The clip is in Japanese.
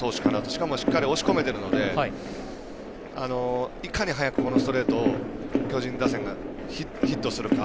しかもしっかりと押し込めているのでいかに早くこのストレートを巨人打線がヒットするか。